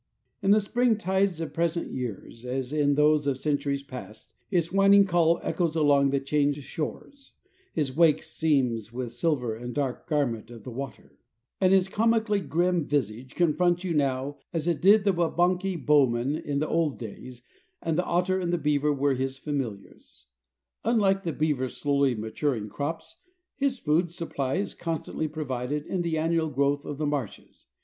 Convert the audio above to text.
In the springtides of present years as in those of centuries past his whining call echoes along the changed shores, his wake seams with silver the dark garment of the water, and his comically grim visage confronts you now as it did the Waubanakee bowmen in the old days when the otter and the beaver were his familiars. Unlike the beaver's slowly maturing crops, his food supply is constantly provided in the annual growth of the marshes.